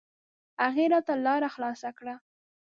هغې راته لاره خلاصه کړه.